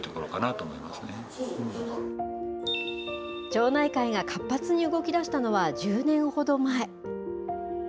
町内会が活発に動きだしたのは１０年ほど前。